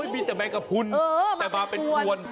มีแต่แมงกระพุนแต่มาเป็นครวน